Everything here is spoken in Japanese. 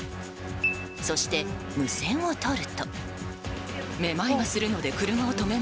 そして、無線をとると。